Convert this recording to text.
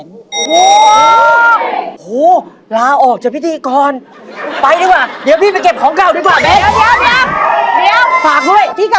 โอ้โฮลาออกจากพี่ดีกร